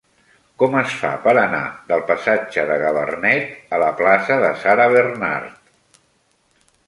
Com es fa per anar del passatge de Gabarnet a la plaça de Sarah Bernhardt?